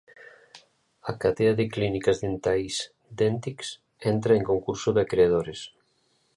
A cadea de clínicas dentais Dentix entra en concurso de acredores.